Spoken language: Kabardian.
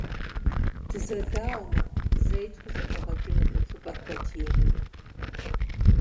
Дызэдауэмэ, зэи тхузэхэгъэкӀынукъым хъупӀэр хэт ейми.